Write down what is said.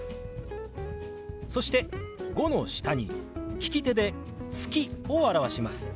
そして「５」の下に利き手で「月」を表します。